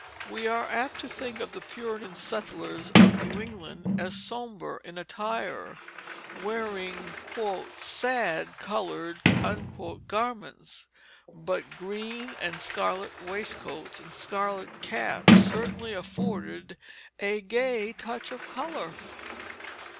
We are apt to think of the Puritan settlers of New England as sombre in attire, wearing "sad colored" garments, but green and scarlet waistcoats and scarlet caps certainly afforded a gay touch of color.